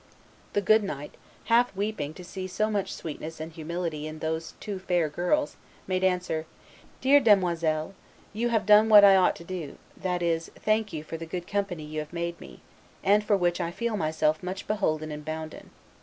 The good knight, half weeping to see so much sweetness and humility in those two fair girls, made answer, 'Dear demoisels, you have done what I ought to do; that is, thank you for the good company you have made me, and for which I feel myself much beholden and bounden.